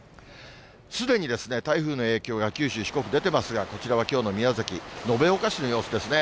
すでに台風の影響が九州、四国に出ていますが、こちらはきょうの宮崎・延岡市の様子ですね。